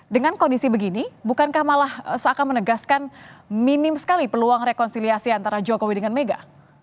dengan kondisi begini bukankah malah seakan menegaskan minim sekali peluang rekonsiliasi antara jokowi dengan mega